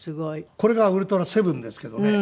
これが『ウルトラセブン』ですけどね。